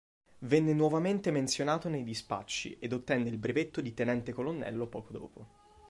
Venne nuovamente menzionato nei dispacci ed ottenne il brevetto di Tenente Colonnello poco dopo.